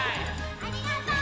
ありがとう！